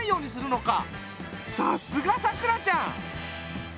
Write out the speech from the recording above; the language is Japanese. さすがさくらちゃん！